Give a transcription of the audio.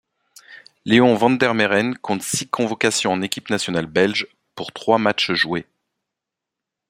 Léon Vandermeiren compte six convocations en équipe nationale belge, pour trois matches joués.